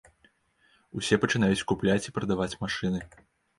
Усе пачынаюць купляць і прадаваць машыны.